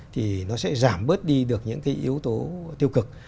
thì nó sẽ giảm bớt đi được những cái yếu tố tiêu cực